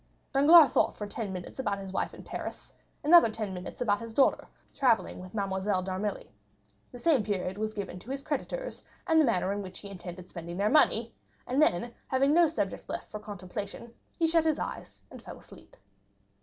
Danglars thought for ten minutes about his wife in Paris; another ten minutes about his daughter travelling with Mademoiselle d'Armilly; the same period was given to his creditors, and the manner in which he intended spending their money; and then, having no subject left for contemplation, he shut his eyes, and fell asleep.